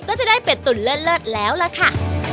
ก็จะได้เป็ดตุ๋นเลิศแล้วล่ะค่ะ